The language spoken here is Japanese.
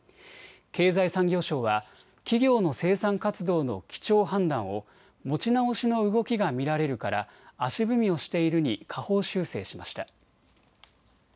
経済産業省は企業の生産活動の基調判断を持ち直しの動きが見られるから足踏みをしているに下方修正しました。